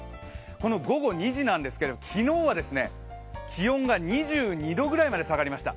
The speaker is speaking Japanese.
この午後２時なんですけど、昨日は気温が２２度ぐらいまで下がりました。